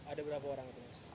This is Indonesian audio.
ada berapa orang itu